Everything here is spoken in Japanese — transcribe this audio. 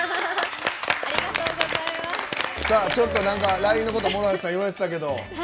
ＬＩＮＥのこと諸橋さんに言われてたけど。